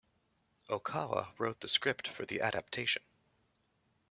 Ohkawa wrote the script for the adaptation.